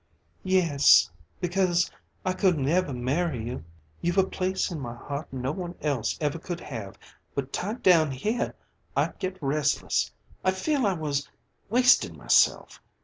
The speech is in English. "Yes because I couldn't ever marry you. You've a place in my heart no one else ever could have, but tied down here I'd get restless. I'd feel I was wastin' myself.